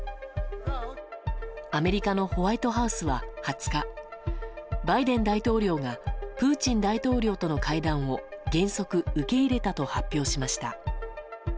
アメリカのホワイトハウスは２０日バイデン大統領がプーチン大統領との会談を原則受け入れたと発表しました。